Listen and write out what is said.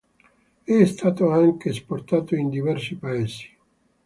È stato anche esportato in diversi Paesi.